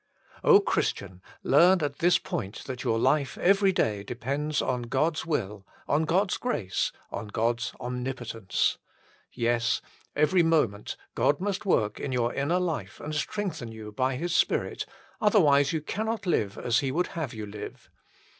Christian, learn at this point that your life HOW IT COMES TO ITS MANIFESTATION 125 every day depends on God s will, on God s grace, on God s omnipotence. Yes : every moment God must work in your inner life and strengthen you by His Spirit, otherwise you cannot live as He would have you live.